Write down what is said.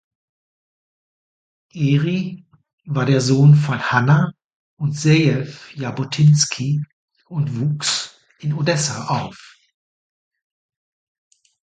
Eri war der Sohn von Hanna und Zeev Jabotinsky und wuchs in Odessa auf.